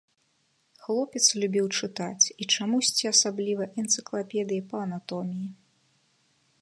Хлопец любіў чытаць, і чамусьці асабліва энцыклапедыі па анатоміі.